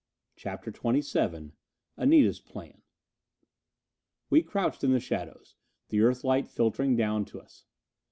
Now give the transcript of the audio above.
CHAPTER XXVII Anita's Plan We crouched in the shadows, the Earthlight filtering down to us.